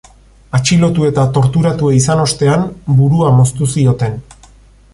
Atxilotu eta torturatua izan ostean, burua moztu zioten.